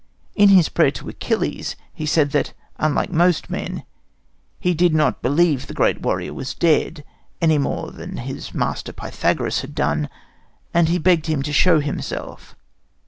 In his prayer to Achilles he said that, unlike most men, he did not believe that the great warrior was dead, any more than his master Pythagoras had done; and he begged him to show himself.